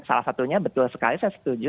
salah satunya betul sekali saya setuju